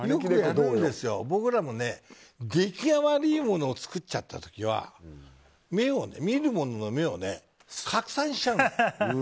僕らも激ヤバでいいものを作った時は見る者の目を拡散しちゃうの。